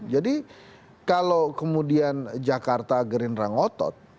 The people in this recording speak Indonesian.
jadi kalau kemudian jakarta gerindra ngotot